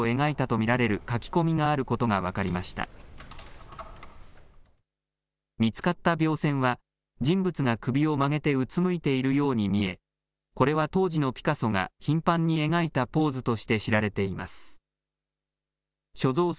見つかった描線は、人物が首を曲げてうつむいているように見え、これは当時のピカソが頻繁に描いたポーズとして知られています。